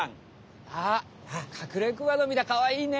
あっカクレクマノミだかわいいね。